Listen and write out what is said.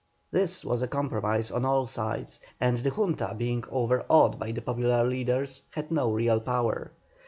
This was a compromise on all sides, and the Junta being overawed by the popular leaders, had no real power.